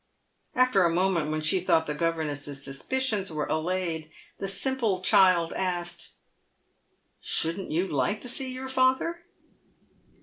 After a moment, when she thought the governess's suspicions were allayed, the simple child asked, " Shouldn't you like to see your father?"